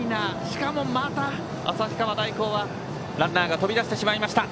しかもまた旭川大高はランナーが飛び出してしまった。